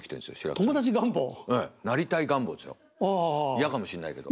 嫌かもしんないけど。